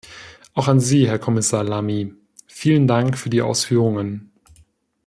Auch an Sie, Herr Kommissar Lamy, vielen Dank für die Ausführungen!